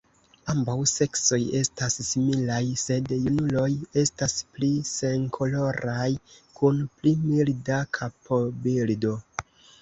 Ambaŭ seksoj estas similaj, sed junuloj estas pli senkoloraj kun pli milda kapobildo.